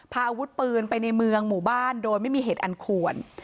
พาอาวุธปืนไปในเมืองหมู่บ้านโดยไม่มีเหตุอันควร